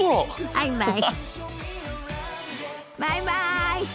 バイバイ！